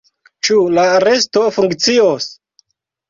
Ĉu la resto funkcios?